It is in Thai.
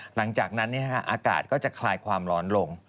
หลังจากนั้นอากาศก็จะคลายความร้อนลง